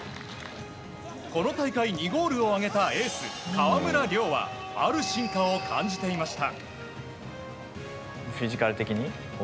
この大会２ゴールを挙げたエース川村怜はある進化を感じていました。